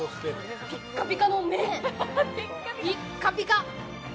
ピッカピカの麺ピッカピカ！